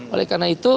oleh karena itu